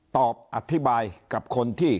ตอบอธิบายกับคนที่